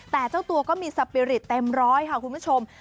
แต่เจ้าตัวก็มีสปีริตเต็มร้อยค่ะคุณผู้ชม